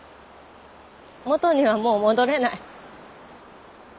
もとにはもう戻れない。